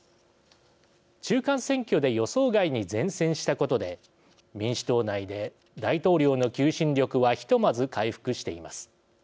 中間選挙で予想外に善戦したことで、民主党内で大統領の求心力はひとまず回復しています。